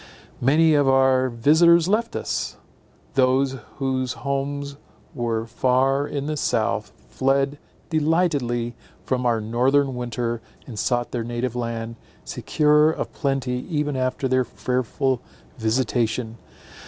Many of our visitors left us: those whose homes were far in the south, fled delightedly from our northern winter, and sought their native land, secure of plenty even after their fearful visitation.